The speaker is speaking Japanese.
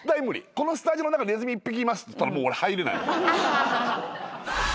このスタジオの中にネズミ１匹いますっつったら俺入れない。